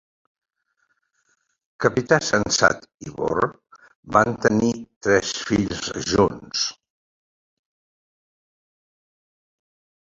Capità Sensat i Bor van tenir tres fills junts.